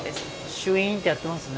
シュインってやってますね。